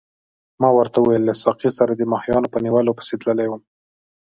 ما ورته وویل له ساقي سره د ماهیانو په نیولو پسې تللی وم.